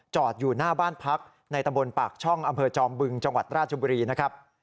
อยู่หน้าบ้านพักในตำบลปากช่องอำเภอจอมบึงจังหวัดราชบุรีนะครับ